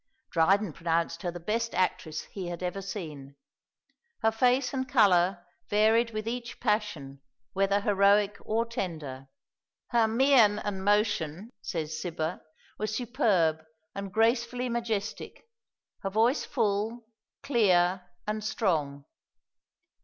Dryden pronounced her the best actress he had ever seen. Her face and colour varied with each passion, whether heroic or tender. "Her mien and motion," says Cibber, "were superb and gracefully majestic, her voice full, clear, and strong."